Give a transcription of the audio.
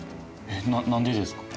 えっ何でですか？